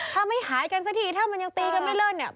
ถ้าไม่หายกันสักทีถ้ามันยังตีกันไม่เลิ่นเนี่ย